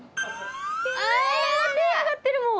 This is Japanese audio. あぁ手上がってるもん。